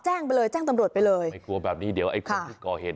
แจ้งไปเลยแจ้งตำรวจไปเลยไม่กลัวแบบนี้เดี๋ยวไอ้คนที่ก่อเหตุ